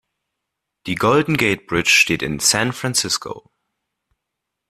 Die Golden Gate Bridge steht in San Francisco.